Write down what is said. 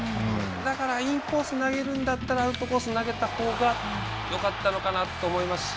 だから、インコースを投げるんだったらアウトコースを投げたほうがよかったのかなと思いますし。